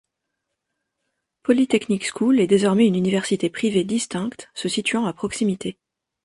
Polytechnic School est désormais une université privée distincte se situant à proximité.